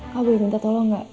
kau boleh minta tolong gak